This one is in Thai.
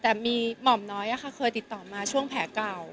แต่มีหม่อมน้อยเคยติดต่อมาช่วงแผลเก่า